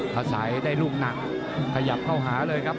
ถ้าสายได้รุ้งหนังขยับเข้าหาเลยครับ